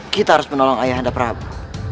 kita harus menolong ayah anda prabu